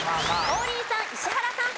王林さん石原さん